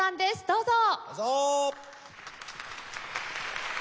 どうぞ！